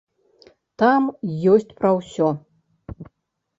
Там ёсць пра ўсё.